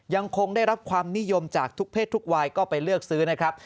ยังคงได้รับความนิยมจากทุกเพศทุกวัยก็ไปเลือกซื้อนะครับ